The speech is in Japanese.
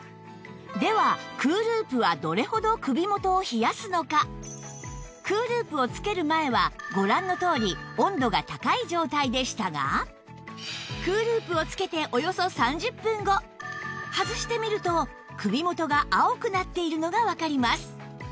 では ＣＯＯＬＯＯＰ はＣＯＯＬＯＯＰ をつける前はご覧のとおり温度が高い状態でしたが ＣＯＯＬＯＯＰ をつけておよそ３０分後外してみると首元が青くなっているのがわかります